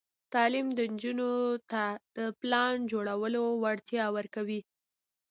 تعلیم نجونو ته د پلان جوړولو وړتیا ورکوي.